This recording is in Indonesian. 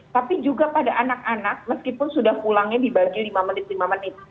tapi juga pada anak anak meskipun sudah pulangnya dibagi lima menit lima menit